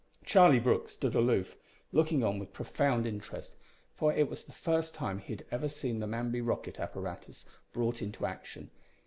Charlie Brooke stood aloof, looking on with profound interest, for it was the first time he had ever seen the Manby rocket apparatus brought into action.